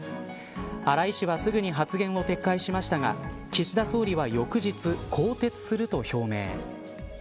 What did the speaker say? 荒井氏はすぐに発言を撤回しましたが岸田総理は翌日更迭すると表明。